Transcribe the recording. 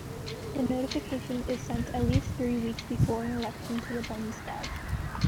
The notification is sent at least three weeks before an election to the" Bundestag".